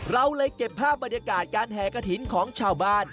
เราเลยเก็บภาพบรรยากาศการแห่กระถิ่นของชาวบ้าน